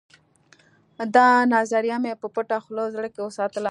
دا نظریه مې په پټه خوله زړه کې وساتله